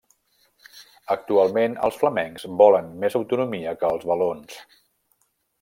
Actualment, els flamencs volen més autonomia que els valons.